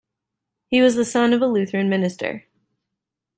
He was the son of a Lutheran minister.